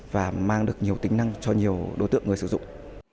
và mang được nhiều tính năng cho nhiều đối tượng người sử dụng